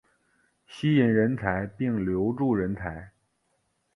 吸引人才并留住人才